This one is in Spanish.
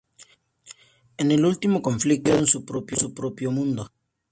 En el último conflicto, destruyeron su propio mundo.